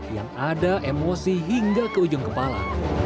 yang ada emosi hingga ke ujung kepala